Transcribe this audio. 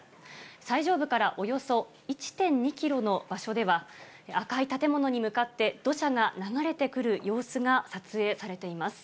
最上部からおよそ１．２キロの場所では、赤い建物に向かって、土砂が流れてくる様子が撮影されています。